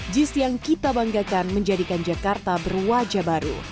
jis yang kita banggakan menjadikan jakarta berwajah baru